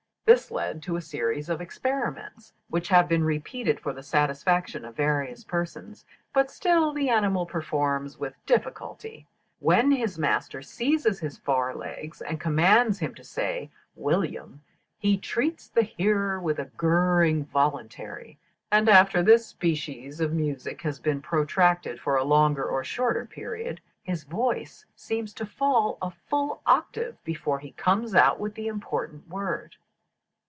This led to a series of experiments, which have been repeated for the satisfaction of various persons, but still the animal performs with difficulty. When his master seizes his fore legs, and commands him to say 'William,' he treats the hearer With a gurring voluntary; and after this species of music has been protracted for a longer or a shorter period, his voice seems to fall a full octave before he comes out with the important word."